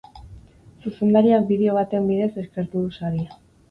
Zuzendariak bideo baten bidez eskertu du saria.